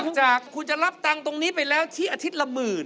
จากคุณจะรับตังค์ตรงนี้ไปแล้วที่อาทิตย์ละหมื่น